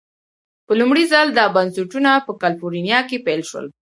په لومړي ځل دا بنسټونه په کلفورنیا کې پیل شول.